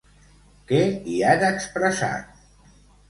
Què hi han expressat?